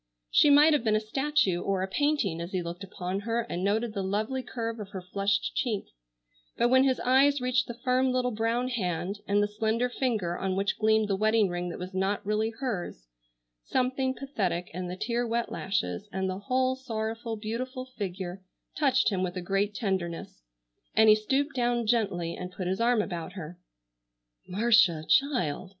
She might have been a statue or a painting as he looked upon her and noted the lovely curve of her flushed cheek, but when his eyes reached the firm little brown hand and the slender finger on which gleamed the wedding ring that was not really hers, something pathetic in the tear wet lashes, and the whole sorrowful, beautiful figure, touched him with a great tenderness, and he stooped down gently and put his arm about her. "Marcia,—child!"